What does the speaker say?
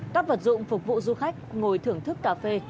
các vật dụng phục vụ du khách ngồi thưởng thức cà phê